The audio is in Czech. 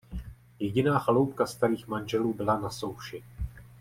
Jediná chaloupka starých manželů byla na souši.